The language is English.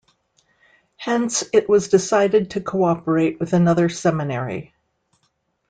Hence it was decided to cooperate with another seminary.